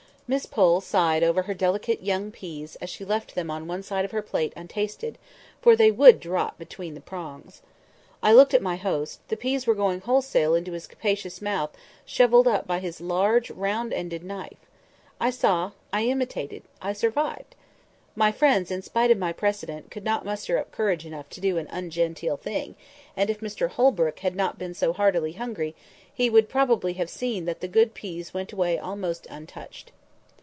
Miss Pole sighed over her delicate young peas as she left them on one side of her plate untasted, for they would drop between the prongs. I looked at my host: the peas were going wholesale into his capacious mouth, shovelled up by his large round ended knife. I saw, I imitated, I survived! My friends, in spite of my precedent, could not muster up courage enough to do an ungenteel thing; and, if Mr Holbrook had not been so heartily hungry, he would probably have seen that the good peas went away almost untouched.